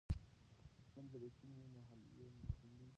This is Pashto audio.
که ستونزې رښتینې وي نو حل یې ممکن دی.